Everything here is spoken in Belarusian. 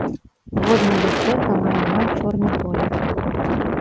Воднае люстэрка мае амаль чорны колер.